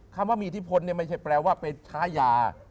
คำว่ามีอิทธิพลไม่ใช่แปลว่าไปค้ายา